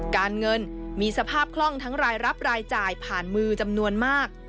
การเงินมีสภาพคล่องทั้งรายรับรายจ่ายผ่านมือจำนวนมาก